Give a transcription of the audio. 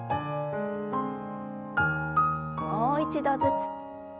もう一度ずつ。